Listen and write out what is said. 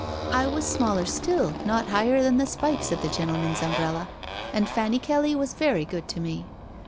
I was smaller still, not higher than the spikes of the gentleman's umbrella, and Fanny Kelly was very good to me.